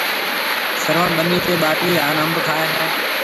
سروڻ ٻنِي تي ٻاٽِي هانَ انڀ کائي هيَ۔